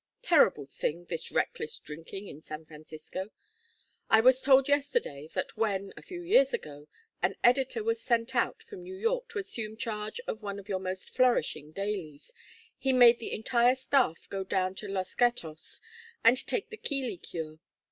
Terrible thing, this reckless drinking in San Francisco. I was told yesterday that when a few years ago an editor was sent out from New York to assume charge of one of your most flourishing dailies, he made the entire staff go down to Los Gatos and take the Keeley cure.